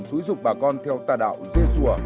giúp giúp bà con theo tà đạo dê sủa